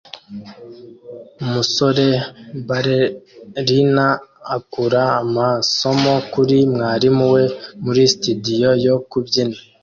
Umusore ballerina akura amasomo kuri mwarimu we muri sitidiyo yo kubyina